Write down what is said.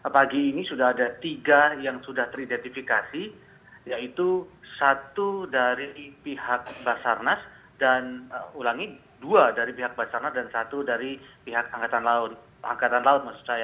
pagi ini sudah ada tiga yang sudah teridentifikasi yaitu satu dari pihak pasar nas dan ulangi dua dari pihak pasar nas dan satu dari pihak angkatan laut